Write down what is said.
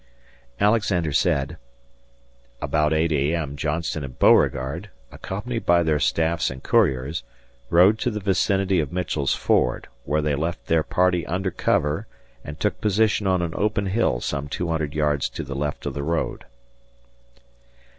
Alexander said, "About 8 A.M. Johnston and Beauregard, accompanied by their staffs and couriers, rode to the vicinity of Mitchell's Ford, where they left their party under cover and took position on an open hill some 200 yards to the left of the road."